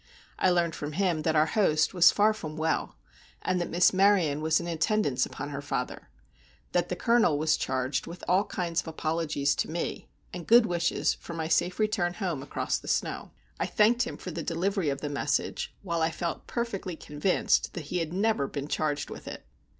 I learned from him that our host was far from well, and that Miss Maryon was in attendance upon her father; that the Colonel was charged with all kinds of apologies to me, and good wishes for my safe return home across the snow. I thanked him for the delivery of the message, while I felt perfectly convinced that he had never been charged with it.